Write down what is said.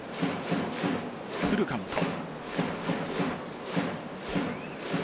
フルカウント。